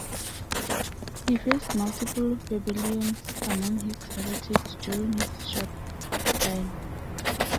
He faced multiple rebellions among his relatives during his short reign.